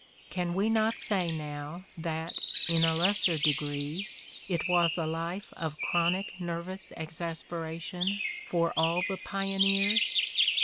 Can we not say now that, in a lesser degree, it was a life of chronic nervous exasperation for all the pioneers?